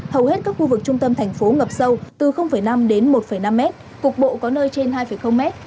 hầu hết các khu vực trung tâm thành phố ngập sâu từ năm đến một năm m cục bộ có nơi trên hai mét